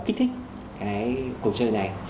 kích thích cái cuộc chơi này